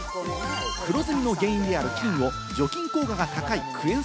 黒ずみの原因である菌を除菌効果が高いクエン